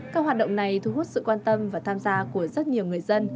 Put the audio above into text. các hoạt động này thu hút sự quan tâm và tham gia của rất nhiều người dân